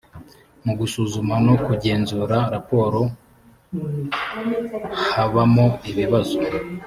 mu gusuzuma no kugenzura raporo habamo ibibazo.